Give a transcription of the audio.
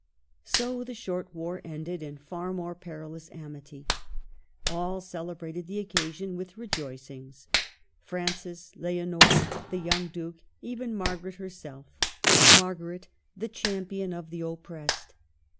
So the short war ended in far more perilous amity. All celebrated the occasion with rejoi cings : Francis, Leonor, the young Duke, even Margaret herself, — Margaret the champion of the oppressed.